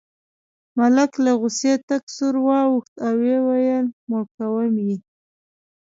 ملک له غوسې تک سور واوښت او وویل مړ کوم یې.